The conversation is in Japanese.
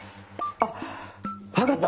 あっ分かった。